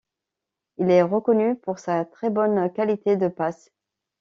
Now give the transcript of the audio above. Il est reconnu pour sa très bonne qualité de passes.